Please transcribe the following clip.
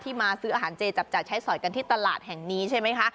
มาซื้ออาหารเจจับจ่ายใช้สอยกันที่ตลาดแห่งนี้ใช่ไหมคะ